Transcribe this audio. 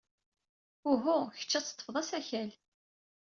Uhu, kecc ad teḍḍfed asakal.